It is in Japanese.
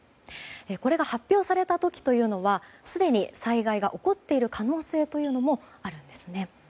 これが発表された時というのはすでに災害が起こっている可能性というのもあるんですね。